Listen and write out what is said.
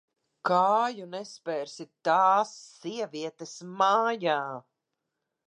Kāju nespersi tās sievietes mājā.